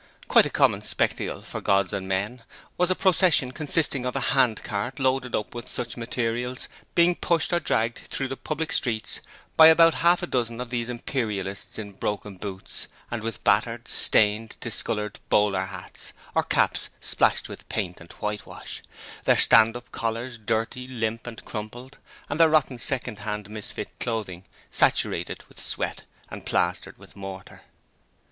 Quite a common spectacle for gods and men was a procession consisting of a handcart loaded up with such materials being pushed or dragged through the public streets by about half a dozen of these Imperialists in broken boots and with battered, stained, discoloured bowler hats, or caps splashed with paint and whitewash; their stand up collars dirty, limp and crumpled, and their rotten second hand misfit clothing saturated with sweat and plastered with mortar.